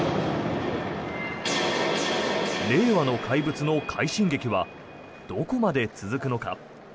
令和の怪物の快進撃はどこまで続くのか。